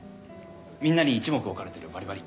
みんなに一目置かれてるバリバリ。